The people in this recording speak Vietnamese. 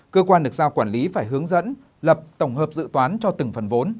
cơ quan được giao quản lý phải hướng dẫn lập tổng hợp dự toán cho từng phần vốn